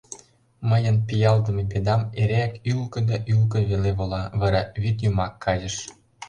Мыйын пиалдыме «Бедам» эреак ӱлкӧ да ӱлкӧ веле вола, вара вӱд йымак кайыш...